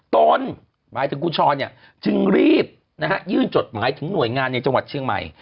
หมายถึงคุณช้อนจึงรีบยื่นจดหมายถึงหน่วยงานในจังหวัดเชียงใหม่